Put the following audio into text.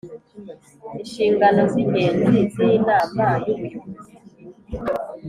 Inshingano z’ingenzi z’Inama y’Ubuyobozi